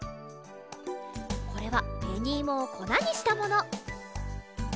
これはべにいもをこなにしたもの。